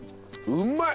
うまい？